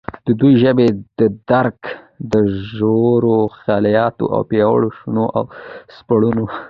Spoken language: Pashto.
ددي ژبي ددرک دژورو خیالاتو او پیاوړو شننو او سپړنو